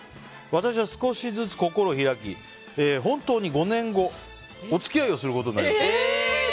私は少しずつ心を開き本当に５年後、お付き合いをすることになりました。